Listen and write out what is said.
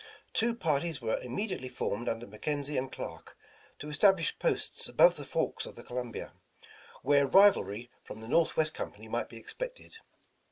Two parties were immediately formed under MeKenzie and Clark, to establish posts above the forks of the Columbia, where rivalry from the Northwest Company might be expected.